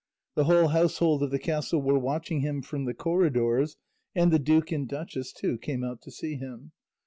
The whole household of the castle were watching him from the corridors, and the duke and duchess, too, came out to see him.